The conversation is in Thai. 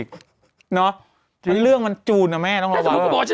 อันนี้เรื่องสมมุตรน่ะ